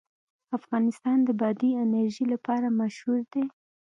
افغانستان د بادي انرژي لپاره مشهور دی.